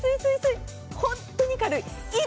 本当に軽い。